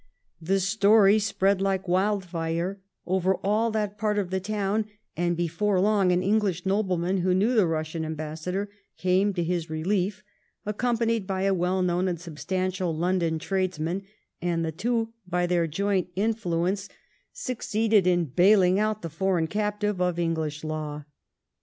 The story spread like wildfire over all that part of the town, and before long an English nobleman who knew the Eussian ambassador came to his relief, accompanied by a well known and substantial London tradesman, and the two by their joint influence succeeded in bailing out the foreign captive of English law.